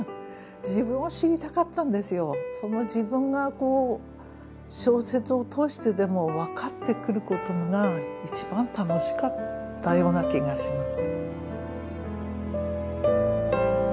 その自分が小説を通してでも分かってくることが一番楽しかったような気がします。